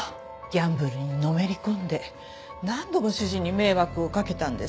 ギャンブルにのめり込んで何度も主人に迷惑をかけたんです。